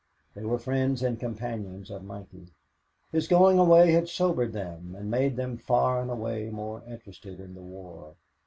They were friends and companions of Mikey. His going away had sobered them and made them far and away more interested in the war.